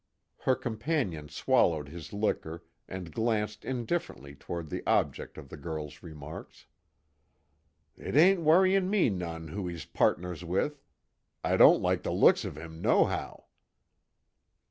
Her companion swallowed his liquor and glanced indifferently toward the object of the girl's remarks. "It ain't worryin' me none who he's pardners with. I don't like the looks of him, nohow."